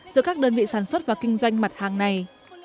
giữa các đơn vị sản xuất và kinh doanh mặt hàng này